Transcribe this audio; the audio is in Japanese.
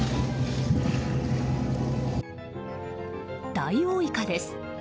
ダイオウイカです。